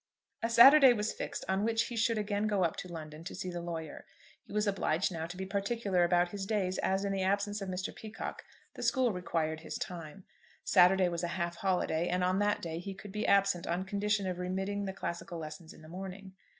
A Saturday was fixed on which he should again go up to London to see the lawyer. He was obliged now to be particular about his days, as, in the absence of Mr. Peacocke, the school required his time. Saturday was a half holiday, and on that day he could be absent on condition of remitting the classical lessons in the morning.